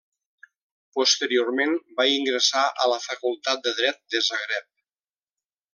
Posteriorment, va ingressar a la Facultat de Dret de Zagreb.